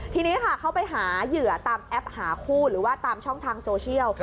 ทีนี้ค่ะเขาไปหาเหยื่อตามแอปหาคู่หรือว่าตามช่องทางโซเชียล